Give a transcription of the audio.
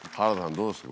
どうですか？